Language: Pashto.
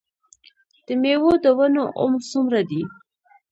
د میوو د ونو عمر څومره دی؟